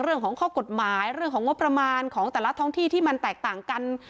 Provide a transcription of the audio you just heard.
เรื่องของข้อกฎหมายเรื่องของงบประมาณของแต่ละท้องที่ที่มันแตกต่างกัน